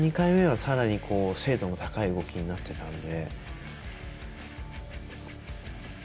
２回目はさらに精度の高い動きになっていたんで。